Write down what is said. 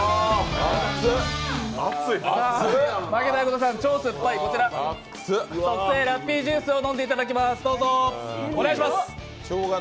負けた横田さん、超酸っぱい特製ラッピージュースを飲んでいただきます。